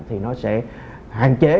thì nó sẽ hạn chế